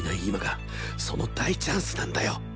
今がその大チャンスなんだよ！